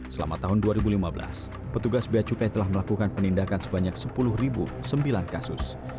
selama tahun dua ribu lima belas petugas beacukai telah melakukan penindakan sebanyak sepuluh sembilan kasus